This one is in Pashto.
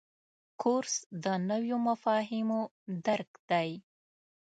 کورس د نویو مفاهیمو درک دی.